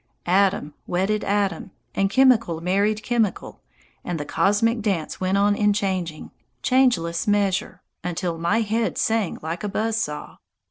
Atom wedded atom, and chemical married chemical, and the cosmic dance went on in changing, changeless measure, until my head sang like a buzz saw.